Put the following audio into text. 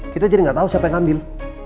kita jadi gak tau siapa yang ngambil